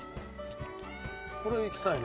これいきたいね。